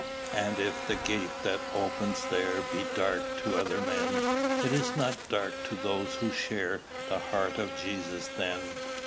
And if the gate that opens there Be dark to other men, It is not dark to those who share The heart of Jesus then.